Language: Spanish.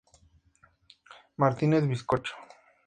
Martínez Bizcocho.